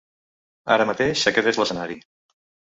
Ara mateix aquest és l’escenari.